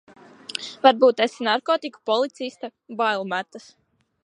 Varbūt esi narkotiku policiste, bail metas.